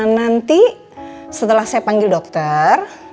nanti setelah saya panggil dokter